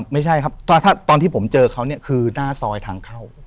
ไม่ใช่ครับถ้าตอนที่ผมเจอเขาเนี่ยคือหน้าซอยทางเข้า